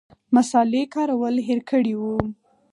مصالې کارول هېر کړي وو.